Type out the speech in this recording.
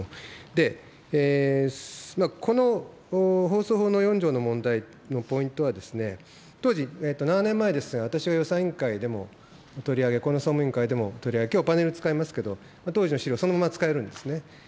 で、この放送法の４条の問題のポイントは、当時、７年前でしたが、私は予算委員会でも取り上げ、この総務委員会でも取り上げ、きょう、パネル使いますけど、当時の資料をそのまま使えるんですね。